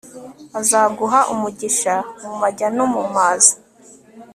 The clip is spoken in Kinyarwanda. azaguha umugisha mu majya no mu maza